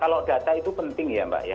kalau data itu penting ya mbak ya